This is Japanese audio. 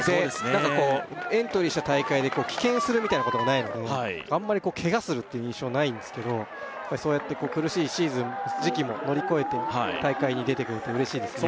何かこうエントリーした大会で棄権するみたいなことがないのであんまりケガするっていう印象ないんですけどそうやって苦しいシーズン時期も乗り越えて大会に出てくるって嬉しいですね